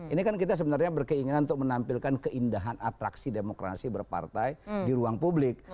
ini kan kita sebenarnya berkeinginan untuk menampilkan keindahan atraksi demokrasi berpartai di ruang publik